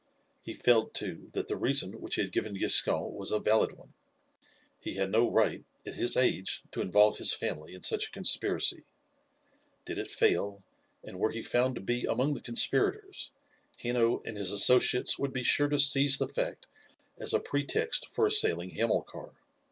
He felt, too, that the reason which he had given Giscon was a valid one. He had no right, at his age, to involve his family in such a conspiracy. Did it fail, and were he found to be among the conspirators, Hanno and his associates would be sure to seize the fact as a pretext for assailing Hamilcar.